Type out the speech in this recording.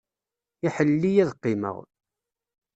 Iḥell-iyi ad qqimeɣ.